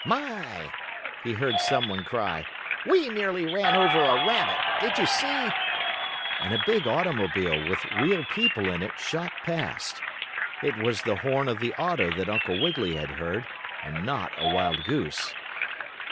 "My!" he heard some one cry. "We nearly ran over a rabbit! Did you see?" And a big automobile, with real people in it, shot past. It was the horn of the auto that Uncle Wiggily had heard, and not a wild goose.